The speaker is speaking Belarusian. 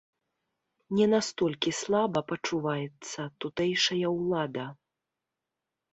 Не настолькі слаба пачуваецца тутэйшая ўлада.